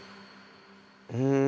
うん。